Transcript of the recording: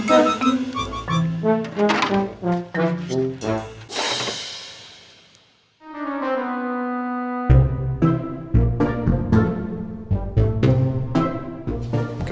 apaan itu dia